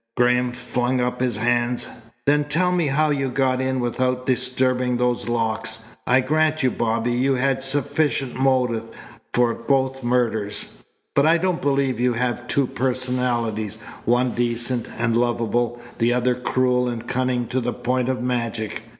Graham flung up his hands. "Then tell me how you got in without disturbing those locks. I grant you, Bobby, you had sufficient motive for both murders, but I don't believe you have two personalities, one decent and lovable, the other cruel and cunning to the point of magic.